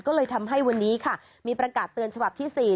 ก็เลยทำให้วันนี้ค่ะมีประกาศเตือนฉบับที่๔